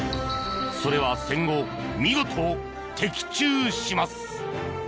それは戦後見事、的中します。